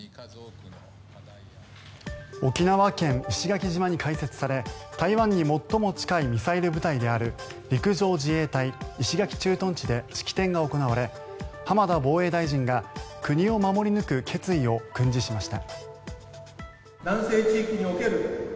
沖縄県・石垣島に開設され台湾に最も近いミサイル部隊である陸上自衛隊石垣駐屯地で式典が行われ浜田防衛大臣が国を守り抜く決意を訓示しました。